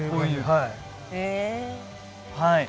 はい。